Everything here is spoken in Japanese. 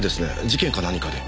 事件か何かで？